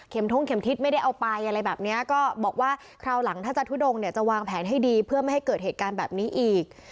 ทงเข็มทิศไม่ได้เอาไปอะไรแบบนี้ก็บอกว่าคราวหลังถ้าจะทุดงเนี่ยจะวางแผนให้ดีเพื่อไม่ให้เกิดเหตุการณ์แบบนี้อีก